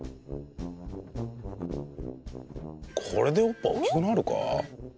これでおっぱい大きくなるか？